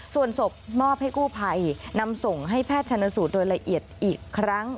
ส่วนศพมอบให้กู้ภัยนำส่งให้แพทย์ชนสูตรโดยละเอียดอีกครั้ง